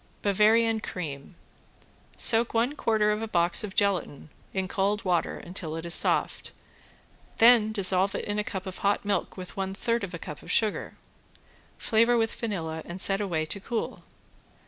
~BAVARIAN CREAM~ Soak one quarter of a box of gelatin in cold water until it is soft, then dissolve it in a cup of hot milk with one third of a cup of sugar. Flavor with vanilla and set away to cool.